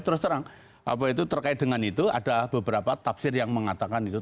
terus terang apa itu terkait dengan itu ada beberapa tafsir yang mengatakan itu